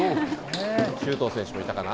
周東選手もいたかな。